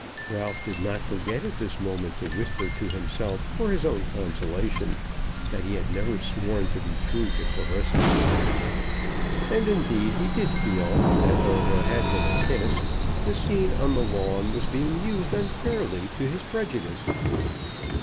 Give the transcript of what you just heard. Ralph did not forget at this moment to whisper to himself for his own consolation, that he had never sworn to be true to Clarissa. And, indeed, he did feel, that though there had been a kiss, the scene on the lawn was being used unfairly to his prejudice.